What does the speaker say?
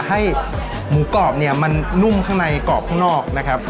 ให้หมูกรอบเนี่ยมันนุ่มข้างในกรอบข้างนอกนะครับ